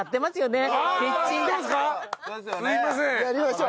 やりましょう。